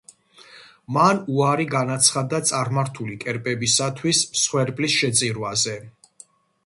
მან უარი განაცხადა წარმართული კერპებისათვის მსხვერპლის შეწირვაზე.